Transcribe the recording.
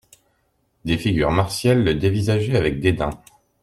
Des figures martiales le dévisageaient avec dédain.